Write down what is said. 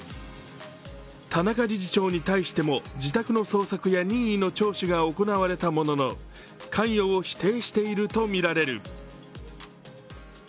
田中理事長に対しても自宅の捜索や任意の聴取が行われたものの関与を否定しているものとみられる。